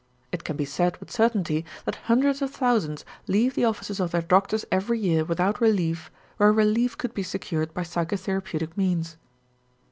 It can be said with certainty that hundreds of thousands leave the offices of their doctors every year without relief where relief could be secured by psychotherapeutic means.